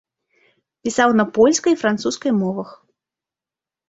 Пісаў на польскай і французскай мовах.